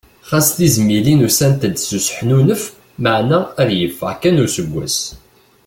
Ɣas tizmilin ussant-d s useḥnunef maɛna ad yeffeɣ kan useggas.